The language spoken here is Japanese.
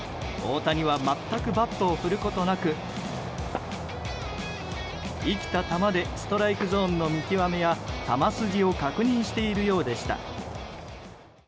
大谷は全くバットを振ることなく生きた球でストライクゾーンの見極めや球筋を確認しているようでした。